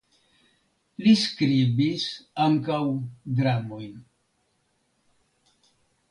Li skribis ankaŭ dramojn.